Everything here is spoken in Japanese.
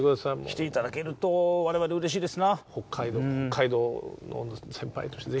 来ていただけると我々うれしいです。